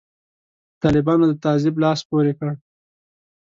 طالبانو د تعذیب لاس پورې کړ.